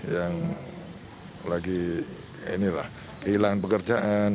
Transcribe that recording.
yang lagi kehilangan pekerjaan